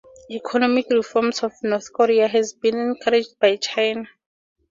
Economic reforms in North Korea has been encouraged by China.